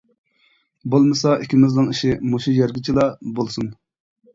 بولمىسا ئىككىمىزنىڭ ئىشى مۇشۇ يەرگىچىلا بولسۇن!